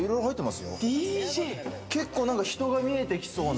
結構なんか人が見えてきそうな。